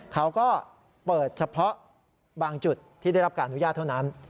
เขาก็เปิดเฉพาะบางจุดที่ได้รับการอนุญาตเท่านั้น